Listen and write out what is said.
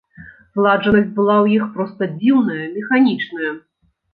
Зладжанасць была ў іх проста дзіўная, механічная.